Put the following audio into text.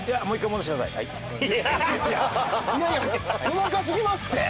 細かすぎますって！